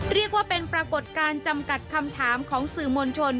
เรียกว่าเป็นปรากฏการณ์จำกัดคำถามของสื่อมวลชน